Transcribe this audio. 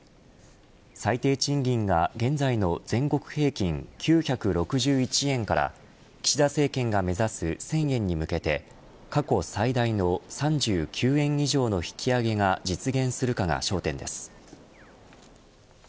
最低賃金が現在の全国平均９６１円から岸田政権が目指す１０００円に向けて過去最大の３９円以上の引き上げが実現するかが焦点です。